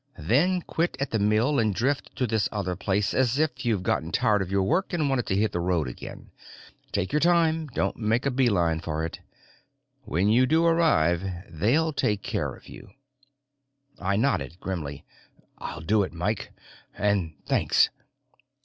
Then quit at the mill and drift to this other place, as if you'd gotten tired of your work and wanted to hit the road again. Take your time, don't make a beeline for it. When you do arrive, they'll take care of you." I nodded, grimly. "I'll do it, Mike. And thanks!"